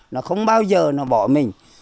nó không bao giờ nó bỏ mình